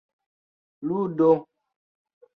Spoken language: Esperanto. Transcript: ludo